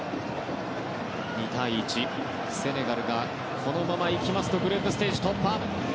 ２対１、セネガルがこのままいきますとグループステージ突破。